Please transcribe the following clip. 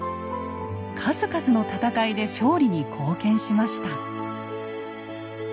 数々の戦いで勝利に貢献しました。